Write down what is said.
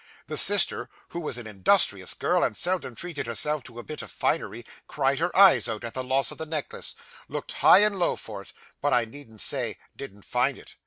The sister, who was an industrious girl, and seldom treated herself to a bit of finery, cried her eyes out, at the loss of the necklace; looked high and low for it; but, I needn't say, didn't find it.